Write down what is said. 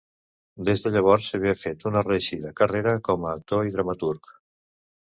Des de llavors s'havia fet una reeixida carrera com a actor i dramaturg.